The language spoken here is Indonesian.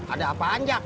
ada apaan jak